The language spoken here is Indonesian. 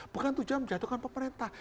bukan tujuan menjatuhkan pemerintah